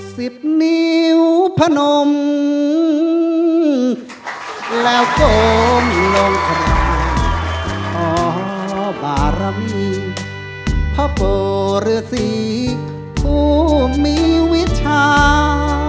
สิบนิ้วพนมแล้วก้มลงกราบขอบารมีพระโปรสีผู้มีวิชา